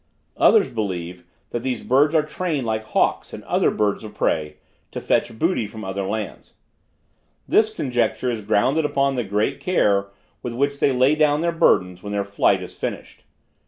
Others believe, that these birds are trained like hawks and other birds of prey, to fetch booty from other lands. This conjecture is grounded upon the great care with which they lay down their burdens, when their flight is finished.